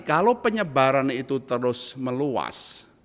kalau penyebaran itu terus meluas